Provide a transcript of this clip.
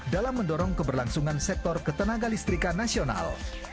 dalam mendorong keberlangsungan sektor ketenaga listrikan nasional